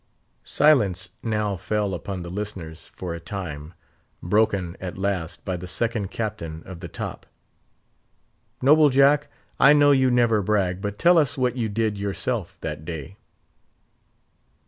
Silence now fell upon the listeners for a time, broken at last by the Second Captain of the Top. "Noble Jack, I know you never brag, but tell us what you did yourself that day?"